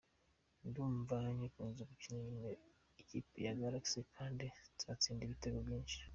Ndumva ngikunze gukinira ikipe ya Galaxy kandi nzatsinda ibitego byinshi.